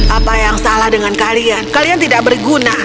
apa yang salah dengan kalian kalian tidak berguna